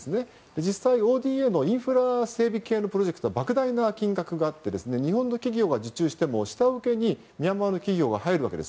実際にＯＤＡのインフラ整備系プロジェクトは莫大な金額があって日本企業が受注しても下請けにミャンマー企業が入るわけです。